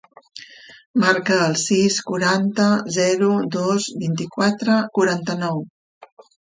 Marca el sis, quaranta, zero, dos, vint-i-quatre, quaranta-nou.